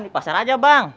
di pasar aja bang